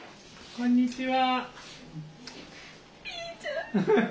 こんにちは。